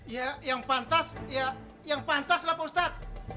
ya yang pantas ya yang pantas lah pak ustadz